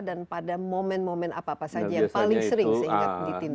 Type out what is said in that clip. dan pada momen momen apa apa saja yang paling sering seingat ditindak